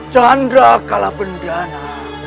chandra kalah bendana